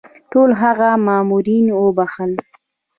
ټول هغه مامورین وبخښل.